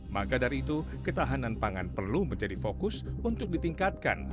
maka dari itu ketahanan pangan perlu menjadi fokus untuk ditingkatkan